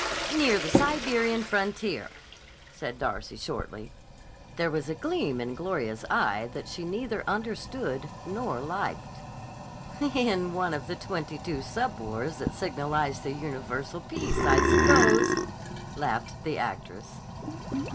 "Near the Siberian frontier," said Darcy shortly. There was a gleam in Gloria's eye which she neither understood nor liked. "In one of the twenty two sub wars that signalize the universal peace, I suppose," laughed the actress.